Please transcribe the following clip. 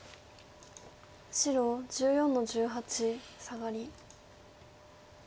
白１４の十八サガリ。